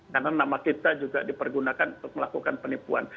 karena nama kita juga dipergunakan untuk melakukan penipuan